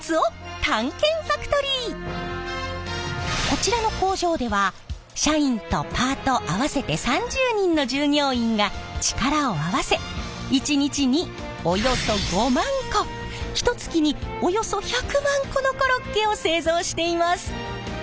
こちらの工場では社員とパート合わせて３０人の従業員が力を合わせ一日におよそ５万個ひとつきにおよそ１００万個のコロッケを製造しています。